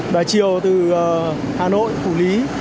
và chiều từ hà nội phủ lý